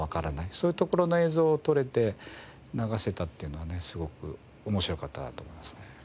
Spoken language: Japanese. そういうところの映像を撮れて流せたっていうのはねすごく面白かったなと思いますね。